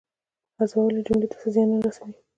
حذفول یې جملې ته څه زیان نه رسوي.